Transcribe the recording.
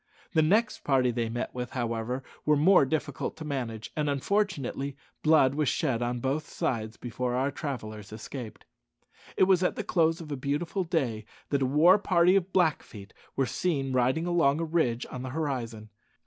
The next party they met with, however, were more difficult to manage, and, unfortunately, blood was shed on both sides before our travellers escaped. It was at the close of a beautiful day that a war party of Blackfeet were seen riding along a ridge on the horizon.